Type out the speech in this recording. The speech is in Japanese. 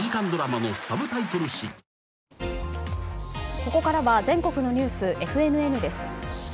ここからは全国のニュースＦＮＮです。